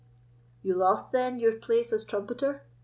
"You lost, then, your place as trumpeter?"